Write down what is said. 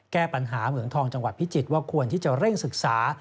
แก้ปัญหาเหมืองทองจังหวัดพิจิตรว่าควรที่จะเร่งศึกษา